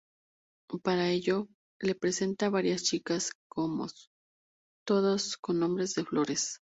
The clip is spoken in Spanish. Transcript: Para ello le presenta a varias chicas gnomos, todas con nombres de flores.